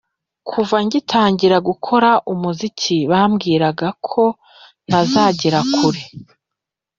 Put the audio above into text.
kuva ngitangira gukora umuziki bambwiraga ko ntazagera kure.